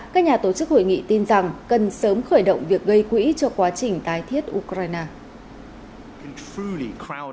các nhà tổ chức hội nghị tin rằng cần sớm khởi động việc gây quỹ cho quá trình tái thiết ukraine